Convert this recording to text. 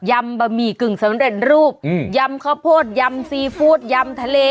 บะหมี่กึ่งสำเร็จรูปยำข้าวโพดยำซีฟู้ดยำทะเล